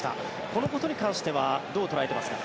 このことに関してはどう捉えていますか？